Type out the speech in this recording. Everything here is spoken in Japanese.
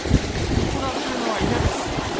怒られるのは嫌です。